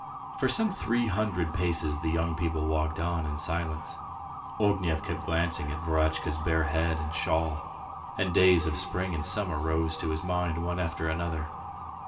For some three hundred paces the young people walked on in silence. Ognev kept glancing at Verotchka's bare head and shawl, and days of spring and summer rose to his mind one after another.